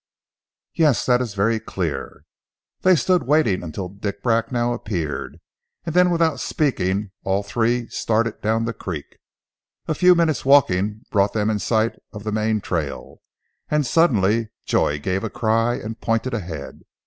"Yes! That is very clear." They stood waiting until Dick Bracknell appeared, and then without speaking all three started down the creek. A few minutes walking brought them in sight of the main trail, and suddenly Joy gave a cry, and pointed ahead.